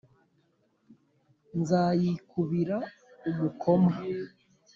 nzay ikubira umukoma